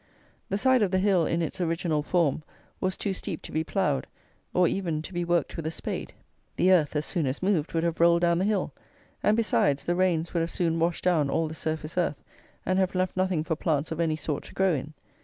The side of the hill, in its original form, was too steep to be ploughed, or, even, to be worked with a spade. The earth, as soon as moved, would have rolled down the hill; and besides, the rains would have soon washed down all the surface earth, and have left nothing for plants of any sort to grow in.